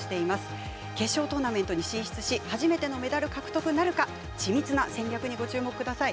決勝トーナメントに進出し初めてのメダル獲得なるか緻密な戦略にご注目ください。